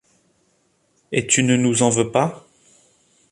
Et tu ne nous en veux pas ?